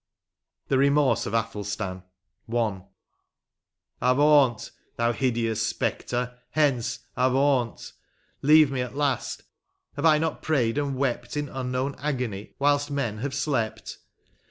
121 LX. THE REMORSE OF ATHELSTAN. — I. AvAUNT ! thou hideous spectre — hence — avaunt ! Leave me at last ! have I not prayed and wept In unknown agony, whilst men have slept